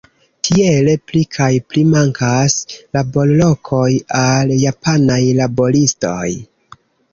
Tiele pli kaj pli mankas laborlokoj al japanaj laboristoj.